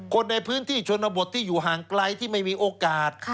คนในพื้นที่ชนบทที่อยู่ห่างไกลที่ไม่มีโอกาส